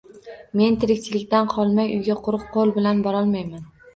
Men tirikchilikdan qolmay, uyga quruq qo‘l bilan borolmayman